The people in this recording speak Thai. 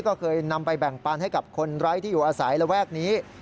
ก็เคยนำไปแบ่งปันให้กับคนไร้ที่อยู่อาศัยระแวกนี้